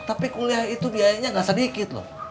tapi kuliah itu biayanya nggak sedikit loh